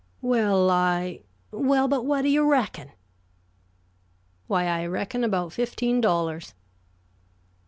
"Well, I " "Well, but what do you reckon?" "Why, I reckon about fifteen dollars."